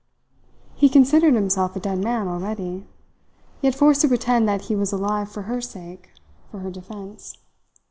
He considered himself a dead man already, yet forced to pretend that he was alive for her sake, for her defence.